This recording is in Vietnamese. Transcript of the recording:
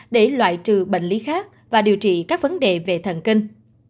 để loại trừ bệnh lý khác và điều trị các vấn đề về thần kinh